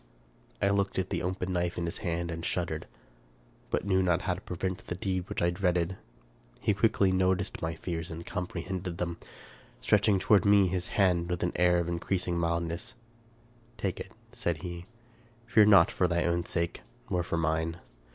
I looked at the open knife in his hand and shuddered, but knew not how to prevent the deed which I dreaded. He quickly noticed my fears, and comprehended them. Stretch ing toward me his hand, with an air of increasing mildness, " Take it," said he ;" fear not for thy own sake, nor for mine.